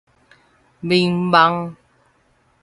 眠夢